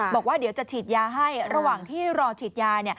บอกว่าเดี๋ยวจะฉีดยาให้ระหว่างที่รอฉีดยา